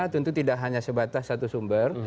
tentu tidak hanya sebatas satu sumber